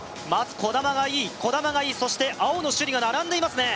兒玉がいい兒玉がいいそして青野朱李が並んでいますね